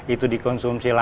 itu dikonsumsi lainnya